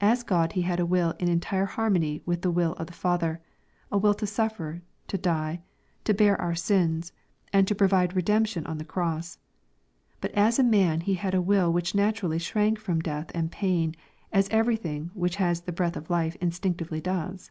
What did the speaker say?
As Grod He had a will in entire harmony with the will of the Father, a will to suffer, to die, to bear our sins, and to provide redemption on the cross. But as man He had a will which naturally shrank from death and pain, as everything which has the breath of life instinctively does.